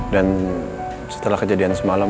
dan setelah kejadian semalam